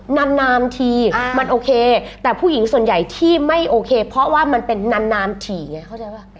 นานทีมันโอเคแต่ผู้หญิงส่วนใหญ่ที่ไม่โอเคเพราะว่ามันเป็นนานถี่ไงเข้าใจป่ะ